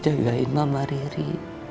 jagain mama riri